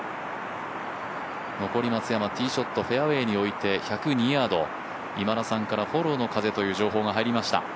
残り松山ティーショットフェアウエーにおいて１０２ヤード今田さんからフォローの風という情報が入りました。